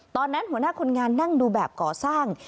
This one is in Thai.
ตอนนั้นหัวหน้าคนงานนั่งดูแบบก่อสร้าง